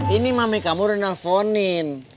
ini mami kamu di nelfonin